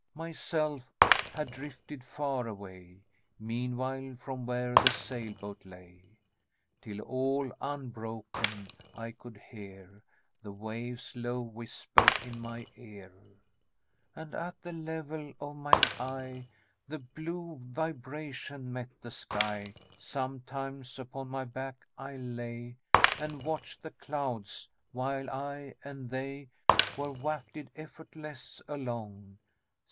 Myself had drifted far away, Meanwhile, from where the sail boat lay, Till all unbroken I could hear The wave's low whisper in my ear, And at the level of mine eye The blue vibration met the sky. Sometimes upon my back I lay And watched the clouds, while I and they Were wafted effortless along.